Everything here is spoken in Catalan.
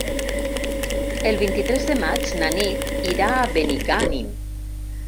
El vint-i-tres de maig na Nit irà a Benigànim.